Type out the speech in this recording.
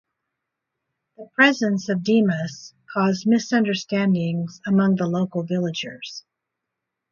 The presence of Dimas caused misunderstandings among the local villagers.